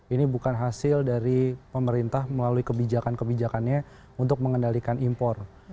ini bukan hasil dari pemerintah melalui kebijakan kebijakannya untuk mengendalikan impor